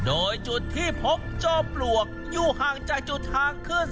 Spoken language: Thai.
โดยจุดที่พบจ้อปลวกอยู่ห่างจากจุดทางขึ้น